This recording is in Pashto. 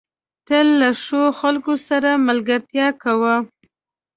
تل له ښو خلکو سره ملګرتيا کوه.